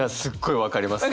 分かります？